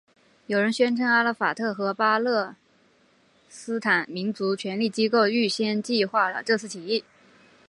有人宣称阿拉法特和巴勒斯坦民族权力机构预先计划了这次起义。